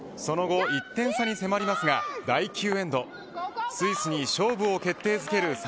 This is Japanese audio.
その後１点差に迫りますが第９エンドスイスに勝負を決定づける